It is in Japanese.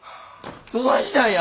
どないしたんや？